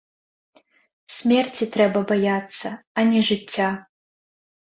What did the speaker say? Смерці трэба баяцца, а не жыцця.